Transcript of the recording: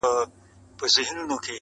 لا لرمه څو خبري اورېدو ته که څوک تم سي!.